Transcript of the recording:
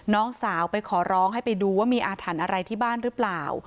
น้องสาวไปขอร้องให้ไปดูว่ามีอาถรรพ์อะไรที่บ้านหรือเปล่า